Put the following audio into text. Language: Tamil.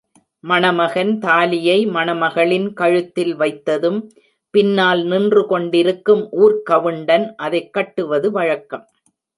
மணமகன் தாலியை மணமகளின் கழுத்தில் வைத்ததும், பின்னால் நின்று கொண்டிருக்கும் ஊர்க் கவுண்டன் அதைக் கட்டுவது வழக்கம்.